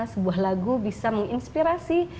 sebuah lagu bisa menginspirasi